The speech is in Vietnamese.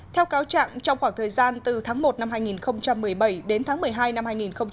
theo cáo trạng trong khoảng thời gian từ tháng một năm hai nghìn một mươi bảy đến tháng một mươi hai năm hai nghìn một mươi bảy